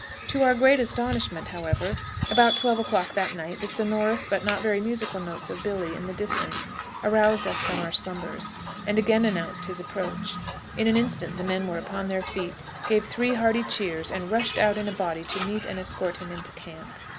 To our great astonishment, however, about twelve o'clock that night the sonorous but not very musical notes of Billy in the distance aroused us from our slumbers, and again announced his approach. In an instant the men were upon their feet, gave three hearty cheers, and rushed out in a body to meet and escort him into camp.